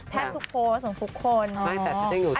ทุกโพสต์ของทุกคน